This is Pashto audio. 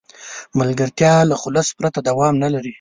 ملګرتیا له خلوص پرته دوام نه لري.